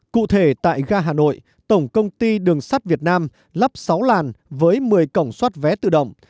cụ thể tại gà hà nội tổng công ty đường sát việt nam lắp sáu làn với một mươi cổng soát vé tự động